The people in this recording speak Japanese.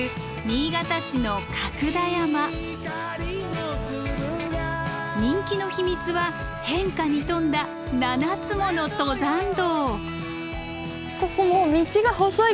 新潟市の人気の秘密は変化に富んだ７つもの登山道。